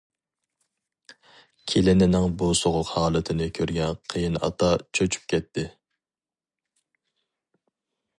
كېلىنىنىڭ بۇ سوغۇق ھالىتىنى كۆرگەن قېيىنئاتا چۆچۈپ كەتتى.